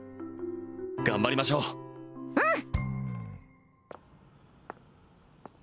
頑張りましょううん！